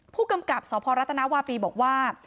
ผู้กำกับสพรัฐนาวาปีบอกว่า